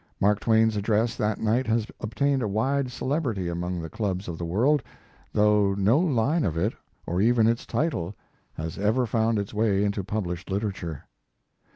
Mark Twain's address that night has obtained a wide celebrity among the clubs of the world, though no line of it, or even its title has ever found its way into published literature.